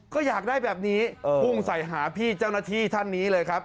ก็อยากได้แบบนี้พุ่งใส่หาพี่เจ้าหน้าที่ท่านนี้เลยครับ